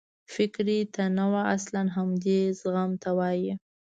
فکري تنوع اصلاً همدې زغم ته وایي.